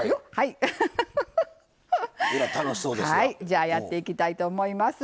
じゃやっていきたいと思います。